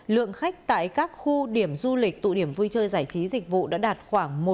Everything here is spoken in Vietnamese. lượng khách tại các khu điểm du lịch tụ điểm vui chơi giải trí dịch vụ đã đạt khoảng một tám trăm linh lượt